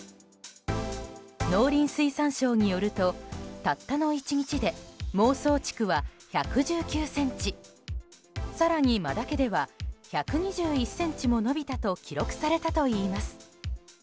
農林水産省によるとたったの１日でモウソウチクは１１９ｃｍ更にマダケでは１２１ｃｍも伸びたと記録されたといいます。